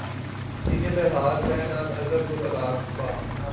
سینے پہ ہاتھ ہے نہ نظر کو تلاش بام